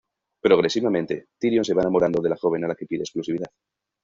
Progresivamente, Tyrion se va enamorando de la joven a la que pide exclusividad.